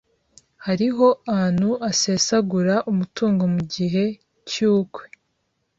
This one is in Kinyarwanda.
Hariho antu asesagura umutungo mu gihe y’uukwe